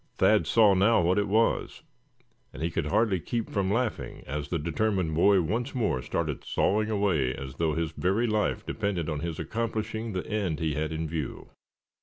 Thad saw now what it was, and he could hardly keep from laughing as the determined boy once more started sawing away as though his very life depended on his accomplishing the end he had in view.